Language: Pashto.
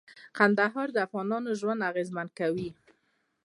کندهار د افغانانو ژوند اغېزمن کوي.